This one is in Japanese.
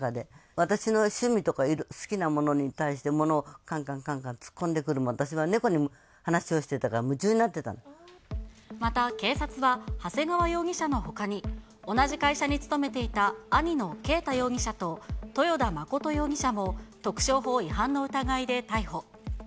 私の趣味とか好きなものに対して、ものをかんかんかんかん突っ込んでくる、私は猫の話をしてたから、また警察は長谷川容疑者のほかに、同じ会社に勤めていた兄の慶太容疑者と豊田真琴容疑者も特商法違反の疑いで逮捕。